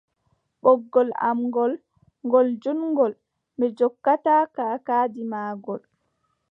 Ɓoggol am ngool, ngol juutngol, Mi jokkataako kaakaadi maagol.